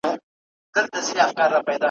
نن دي بیا اوږدو نکلونو ته زړه کیږي ,